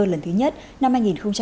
lần thứ nhất năm hai nghìn một mươi sáu